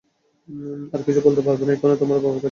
আর কিছু বলতে পারবো না, এখনই তোমার বাবার সাথে কথা বলছি।